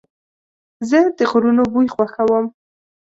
زه د غرونو بوی خوښوم.